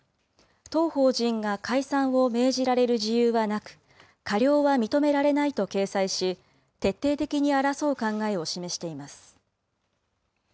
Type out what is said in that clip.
当法人が解散を命じられる事由はなく、過料は認められないと掲載し、徹底的に争う考えを示しています。